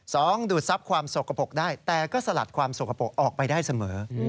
ดูดทรัพย์ความสกปรกได้แต่ก็สลัดความสกปรกออกไปได้เสมอ